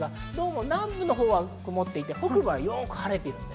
南部の方は曇っていて北部はよく晴れています。